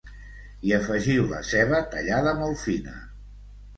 hi afegiu la ceba tallada molt fina